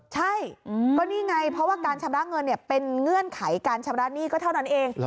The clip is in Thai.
ใช่ก็นี่ไงเพราะว่าการชำระเงินเป็นเงื่อนไขการชำระหนี้ก็เท่านั้นเอง